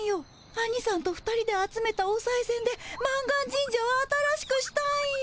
アニさんと２人で集めたおさいせんで満願神社を新しくしたんよ。